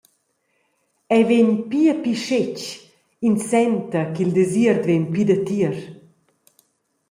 Ei vegn pli e pli schetg, ins senta ch’il desiert vegn pli datier.